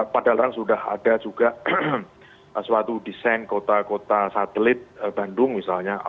padahal sudah ada juga suatu desain kota kota satelit bandung misalnya